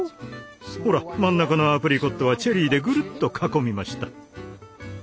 ほら真ん中のアプリコットはチェリーでぐるっと囲みました。